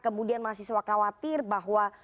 kemudian mahasiswa khawatir bahwa